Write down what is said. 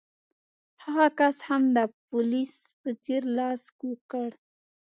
هغه کس هم د پولیس په څېر لاس کوږ کړ.